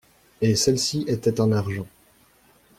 Et celle-ci était en argent.